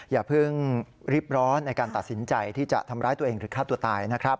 อย่าเพิ่งรีบร้อนในการตัดสินใจที่จะทำร้ายตัวเองหรือฆ่าตัวตายนะครับ